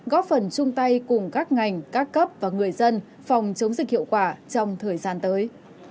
góp phần chung tay cùng các ngành các cấp và người dân phòng chống dịch hiệu quả trong thời gian tới